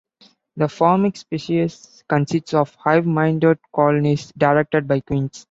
The Formic species consists of hive-minded colonies directed by queens.